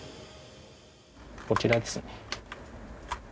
こちらですね。